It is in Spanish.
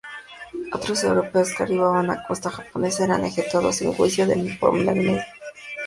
Otros europeos que arribaban a costas japonesas eran ejecutados sin juicio de por medio.